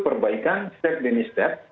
perbaikan step demi step